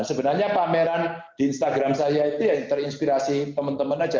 sebenarnya pameran di instagram saya itu yang terinspirasi teman teman aja